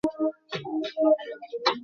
মাথার যন্ত্রণাটা আবার ফিরে এসেছে।